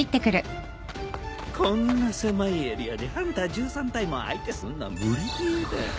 こんな狭いエリアでハンター１３体も相手すんのは無理ゲーだ。